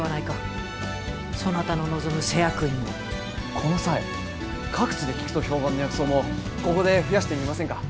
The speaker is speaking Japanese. この際各地で効くと評判の薬草もここで増やしてみませんか？